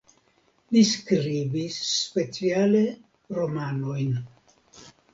Li skribis speciale romanojn.